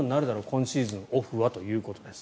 今シーズンのオフはということです。